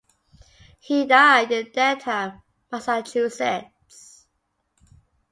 He died in Dedham, Massachusetts.